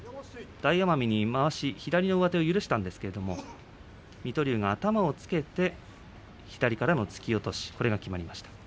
大奄美に左の上手を許したんですが水戸龍が頭をつけて左からの突き落としが決まっています。